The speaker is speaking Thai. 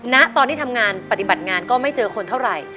ณตอนที่ทำงานปฏิบัติงานก็ไม่เจอคนเท่าไหร่